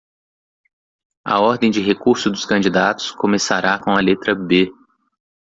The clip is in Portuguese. A ordem de recurso dos candidatos começará com a letra B.